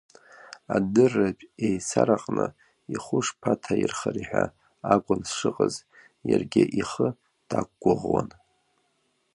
Адырратә еисараҟны ихәы шԥаҭаирхари ҳәа акәын сшыҟаз, иаргьы ихы дақәгәыӷуан.